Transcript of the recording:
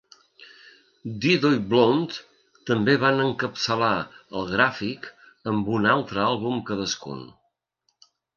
Dido i Blunt també van encapçalar el gràfic amb un altre àlbum cadascun.